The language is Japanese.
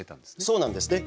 そうなんですね。